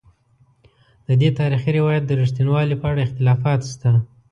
ددې تاریخي روایت د رښتینوالي په اړه اختلافات شته.